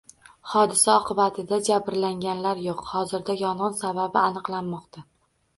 Hodisa oqibatida jabrlanganlar yo‘q, hozirda yong‘in sababi aniqlanmoqda